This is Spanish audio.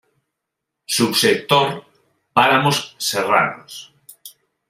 Subsector: Páramos serranos.